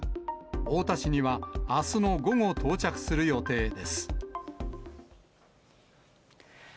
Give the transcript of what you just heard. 太田市には、あすの午後、到着する予定です。